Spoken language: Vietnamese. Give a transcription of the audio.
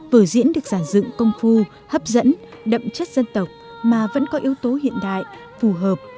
vở diễn được giản dựng công phu hấp dẫn đậm chất dân tộc mà vẫn có yếu tố hiện đại phù hợp